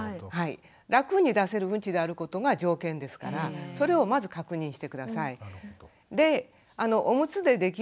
楽に出せるうんちであることが条件ですからそれをまず確認して下さい。